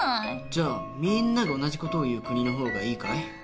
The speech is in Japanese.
じゃあみんなが同じ事を言う国の方がいいかい？